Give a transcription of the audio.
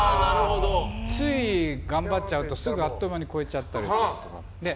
つい頑張っちゃうとあっという間に越えちゃったりするので。